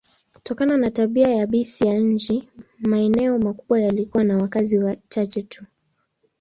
Kutokana na tabia yabisi ya nchi, maeneo makubwa yalikuwa na wakazi wachache tu.